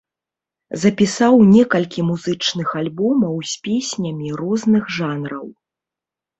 Запісаў некалькі музычных альбомаў з песнямі розных жанраў.